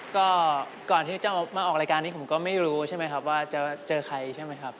ก็ก่อนที่จะมาออกรายการนี้ผมก็ไม่รู้ใช่ไหมครับว่าจะเจอใครใช่ไหมครับ